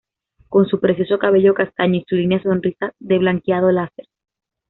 Con su precioso cabello castaño y su línea sonrisa de blanqueado láser.